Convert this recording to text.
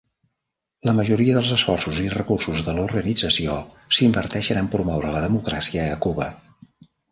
La majoria dels esforços i recursos de l'organització s'inverteixen en "promoure la democràcia a Cuba".